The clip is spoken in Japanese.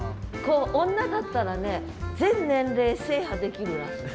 女だったらね全年齢制覇できるらしい。